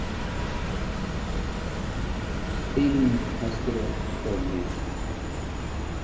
Eden Hospital or Mt.